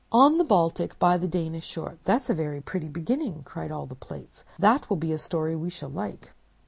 On the Baltic, by the Danish shore—' "'That's a pretty beginning!' cried all the Plates. 'That will be a story we shall like.